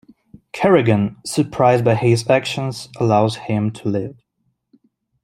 Kerrigan, surprised by his actions, allows him to live.